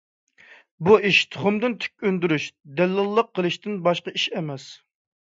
بۇ ئىش تۇخۇمدىن تۈك ئۈندۈرۈش، دەللاللىق قىلىشتىن باشقا ئىش ئەمەس.